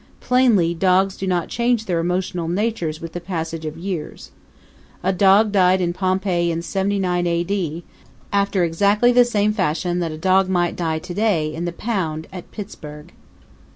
Plainly dogs do not change their emotional natures with the passage of years. A dog died in Pompeii in 79 A. D. after exactly the same fashion that a dog might die to day in the pound at Pittsburgh.